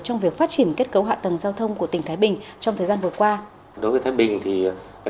trong việc phát triển kết cấu hạ tầng giao thông của tỉnh thái bình trong thời gian vừa qua